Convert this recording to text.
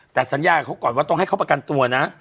แต่สัญญากับเขาก่อนว่าต้องให้เขาประกันตัวนะ